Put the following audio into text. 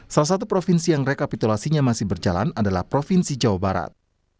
salah satu provinsi yang rekapitulasinya masih berjalan adalah provinsi jawa barat